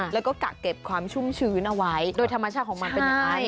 แล้วก็กักเก็บความชุ่มชื้นเอาไว้โดยธรรมชาติของมันเป็นยังไง